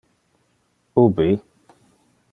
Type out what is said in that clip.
Ubi?